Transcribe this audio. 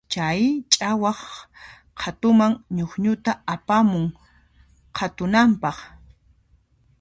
Chay ch'awaq qhatuman ñukñuta apamun qhatunanpaq.